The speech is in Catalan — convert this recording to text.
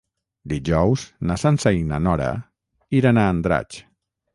Dijous na Sança i na Nora iran a Andratx.